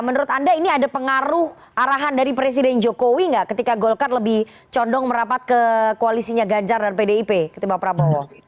menurut anda ini ada pengaruh arahan dari presiden jokowi nggak ketika golkar lebih condong merapat ke koalisinya ganjar dan pdip ketimbang prabowo